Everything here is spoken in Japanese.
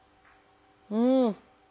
うん！